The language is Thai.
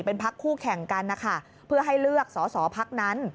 เป็นพักคู่แข่งกันนะคะเพื่อให้เลือกสอสอพักนั้น